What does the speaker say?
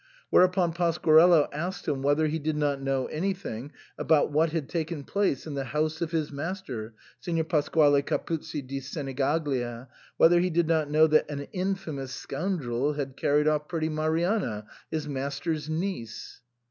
Whereupon Pasquarello asked him whether he did not know anything about what had taken place in the house of his master, Signor Pasquale Capuzzi di Seni gaglia, whether he did not know that an infamous scoundrel had carried off pretty Marianna, his master's niece